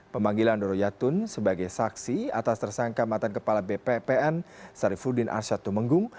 pemanggilan doro jatun sebagai saksi atas tersangka matan kepala bppn sarifudin arsyad tumenggung